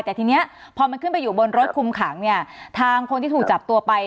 แต่ทีนี้พอมันขึ้นไปอยู่บนรถคุมขังเนี่ยทางคนที่ถูกจับตัวไป